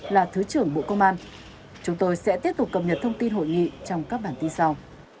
là thứ trưởng bộ công an chúng tôi sẽ tiếp tục cập nhật thông tin hội nghị trong các bản tin sau